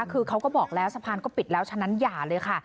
คือเขาก็บอกแล้วสะพานก็ปิดแล้วฉะนั้นอย่าเลยค่ะ